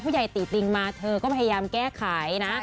ใหญ่ติติงมาเธอก็พยายามแก้ไขนะ